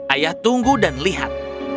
ayah tunggu dan lihat